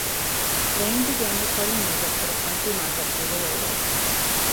Lane began recording music for the country market through the label.